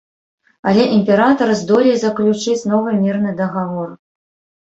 Але імператар здолей заключыць новы мірны дагавор.